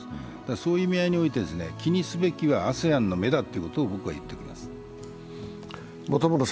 そういう意味合いにおいて気にすべきはＡＳＥＡＮの目だということを僕は言っています。